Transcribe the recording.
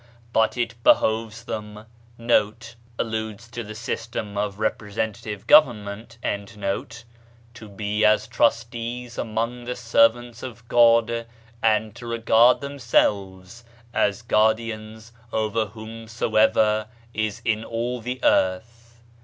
But it behoves them 1 to be 1 Alludes to the system of Representative Government, 124 BAHAISM (as) trustees among the servants (of God), and to regard themselves as guardians over whomsoever is in all the earth."